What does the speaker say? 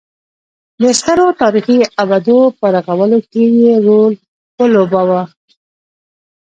د سترو تاریخي ابدو په رغولو کې یې رول ولوباوه.